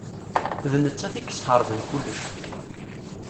D nettat i yesxeṛben kullec.